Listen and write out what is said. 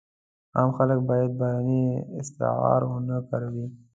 عام خلک باید بهرني اسعار ونه کاروي.